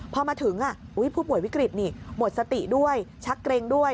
พอมาถึงผู้ป่วยวิกฤตนี่หมดสติด้วยชักเกร็งด้วย